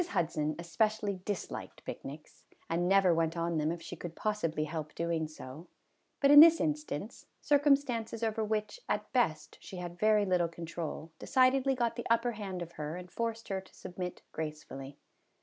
HUDSON especially disliked picnics, and never went on them if she could possibly help doing so, but in this instance, circumstances over which, at best, she had very little control decidedly got the upper hand of her and forced her to submit gracefully.